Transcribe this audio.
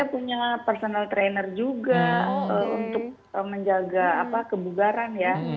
kita punya personal trainer juga untuk menjaga kebugaran ya